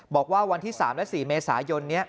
บอกว่าวันที่๓และ๔เมษายน